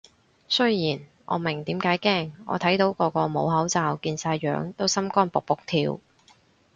雖然我明點解驚，我睇到個個冇口罩見晒樣都心肝卜卜跳